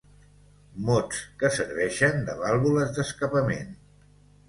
Mots que serveixen de vàlvules d'escapament.